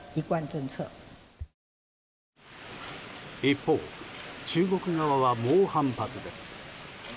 一方、中国側は猛反発です。